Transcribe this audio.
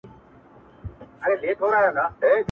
هغه کسان چي کتاب نه لولي د پوهي له ډېرو فرصتونو بې برخې وي -